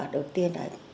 đầu tiên là